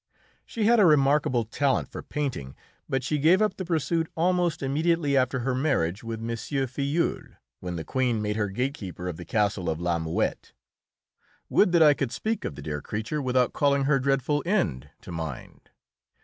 She had a remarkable talent for painting, but she gave up the pursuit almost immediately after her marriage with M. Filleul, when the Queen made her Gatekeeper of the Castle of La Muette. Would that I could speak of the dear creature without calling her dreadful end to mind.